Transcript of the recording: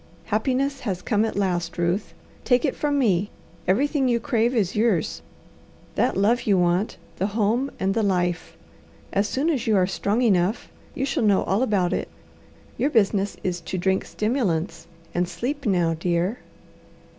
Happiness has come at last, Ruth. Take it from me. Everything you crave is yours. The love you want, the home, and the life. As soon as you are strong enough, you shall know all about it. Your business is to drink stimulants and sleep now, dear."